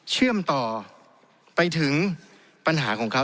เชื่อมต่อไปถึงปัญหาของเขา